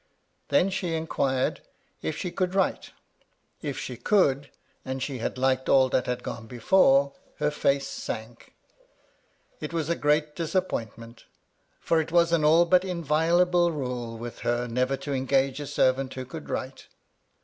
Then she inquired if she could write. If she could, and she had liked all that had gone before, her face sank — it was a great disap pointment, for it was an all but inviolable rule with her never to engage a servant who could write.